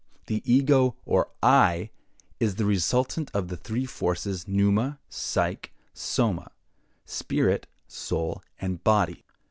The Ego, or I, is the resultant of the three forces, Pneuma, Psyche, Soma—spirit, soul, and body.